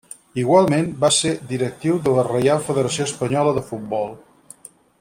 Igualment va ser directiu de la Reial Federació Espanyola de Futbol.